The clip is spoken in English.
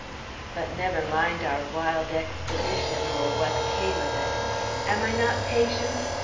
But never mind our wild expedition, or what came of it. Am I not patient!